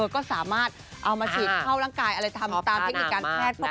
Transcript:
ก็สามารถเอามาฉีดเข้าร่างกายอะไรทำตามเทคนิคการแพทย์